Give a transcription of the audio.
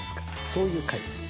そういう回です。